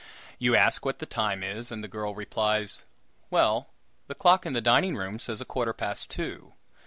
You ask what the time is, and the girl replies: "Well, the clock in the dining room says a quarter past two."